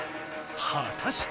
はたして。